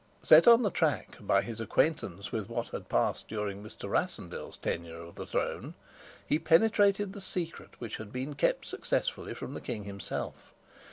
Set on the track by his acquaintance with what had passed during Mr. Rassendyll's tenure of the throne, he penetrated the secret which had been kept successfully from the king himself.